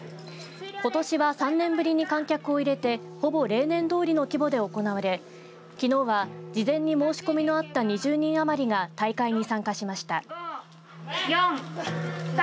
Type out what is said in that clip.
ことしは３年ぶりに観客を入れてほぼ例年どおりの規模で行われきのうは、事前に申し込みのあった２０人余りが大会に参加しました。